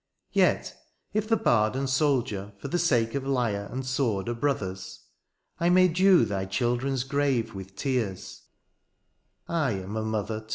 Yet, if the bard and soldier for the sake Of lyre and sword are brothers, I may dew Thy children's grave with tears; — lam a mothertoo.